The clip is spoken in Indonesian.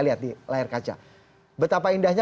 lihat di layar kaca betapa indahnya